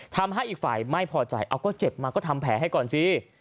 ทำให้อีกฝ่ายไม่พอใจเอาก็เจ็บมาก็ทำแผลให้ก่อนสิ